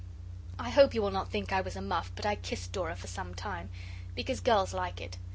I hope you will not think I was a muff but I kissed Dora for some time. Because girls like it.